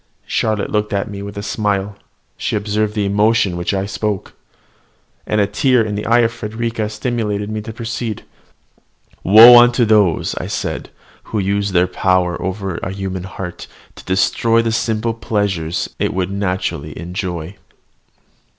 Charlotte looked at me with a smile; she observed the emotion with which I spoke: and a tear in the eyes of Frederica stimulated me to proceed. "Woe unto those," I said, "who use their power over a human heart to destroy the simple pleasures it would naturally enjoy!